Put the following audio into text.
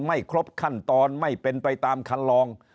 ไม่ครบขั้นตอนไม่เป็นไปตามคันลอง